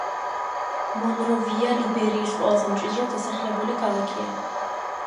მონროვია ლიბერიის ყველაზე მჭიდროდ დასახლებული ქალაქია.